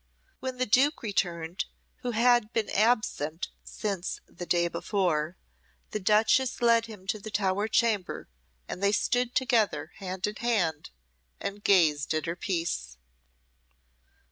When the duke returned, who had been absent since the day before, the duchess led him to the tower chamber, and they stood together hand in hand and gazed at her peace.